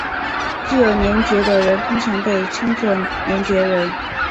具有联觉的人通常被称作联觉人。